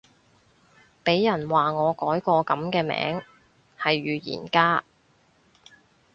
俾人話我改個噉嘅名係預言家